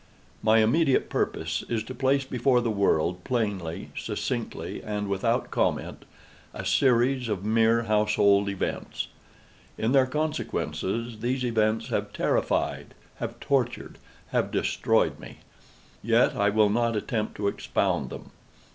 My immediate purpose is to place before the world, plainly, succinctly, and without comment, a series of mere household events. In their consequences, these events have terrified—have tortured—have destroyed me. Yet I will not attempt to expound them.